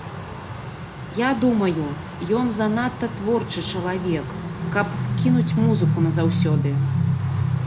Я думаю, ён занадта творчы чалавек, каб кінуць музыку назаўсёды.